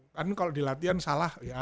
kan kalau di latihan salah ya